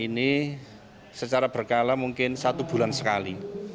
ini secara berkala mungkin satu bulan sekali